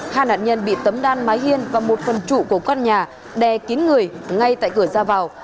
hai nạn nhân bị tấm đan mái hiên và một phần trụ của căn nhà đè kín người ngay tại cửa ra vào